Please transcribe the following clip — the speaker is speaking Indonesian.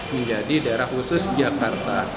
menjadi daerah khusus jakarta